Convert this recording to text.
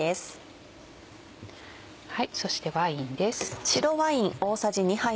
そしてワインです。